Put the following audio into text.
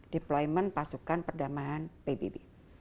deployment pasukan perdamaian pbb